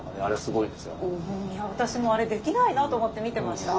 私もあれできないなと思って見てました。